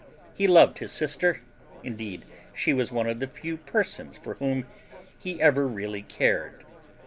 He loved his sister indeed, she was one of the few persons for whom he ever really cared.